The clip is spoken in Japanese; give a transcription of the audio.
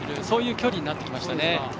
そういう距離になってきましたね。